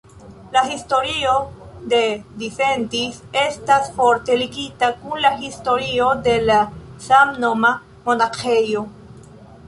La historio de Disentis estas forte ligita kun la historio de la samnoma monaĥejo.